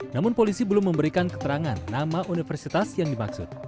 namun polisi belum memberikan keterangan nama universitas yang dimaksud